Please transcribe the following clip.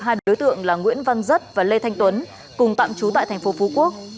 trước hai đối tượng là nguyễn văn rất và lê thanh tuấn cùng tạm trú tại tp phú quốc